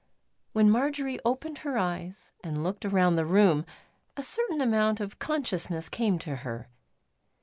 When Marjory opened her eyes and looked around the room, a certain amount of consciousness came to her.